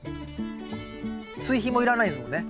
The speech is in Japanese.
追肥もいらないですもんね。